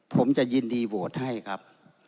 ผมจะยินดีโหวตให้ครับ